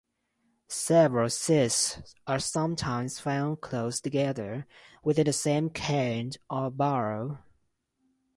Several cists are sometimes found close together within the same cairn or barrow.